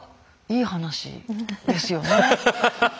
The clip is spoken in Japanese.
いい話ですよね。